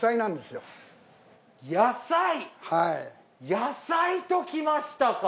野菜ときましたか。